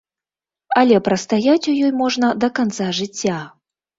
Але прастаяць у ёй можна да канца жыцця.